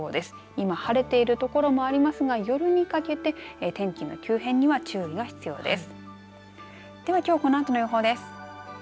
今晴れているところもありますが夜にかけて天気の急変には注意が必要です。